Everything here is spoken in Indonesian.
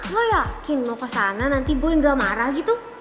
lo yakin mau kesana nanti boy nggak marah gitu